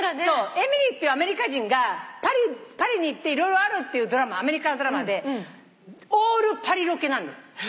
エミリーってアメリカ人がパリに行って色々あるっていうアメリカのドラマでオールパリロケ。